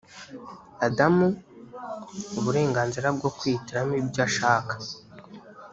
adamu uburenganzira bwo kwihitiramo ibyo ashaka